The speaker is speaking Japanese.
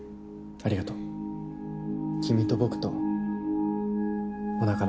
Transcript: ありがとう。